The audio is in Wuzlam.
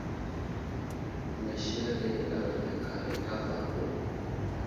Meshere a viyakaray kava aku.